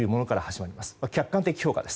まあ、客観的評価です。